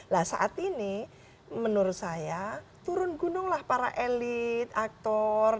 nah saat ini menurut saya turun gununglah para elit aktor